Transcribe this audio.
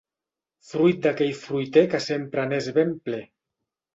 Fruit d'aquell fruiter que sempre n'és ben ple.